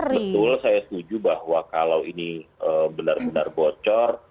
betul saya setuju bahwa kalau ini benar benar bocor